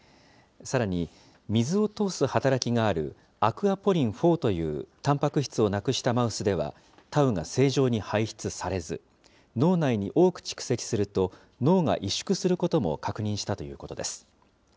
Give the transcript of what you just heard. さらに、水を通す働きがあるアクアポリン４というたんぱく質をなくしたマウスでは、たうがせいじょうにはいしゅつされず、脳内に多く蓄積すると、脳が委縮することも確認したということです。